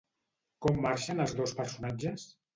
Com marxen els dos personatges?